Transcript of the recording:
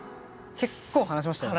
結構話しましたよね。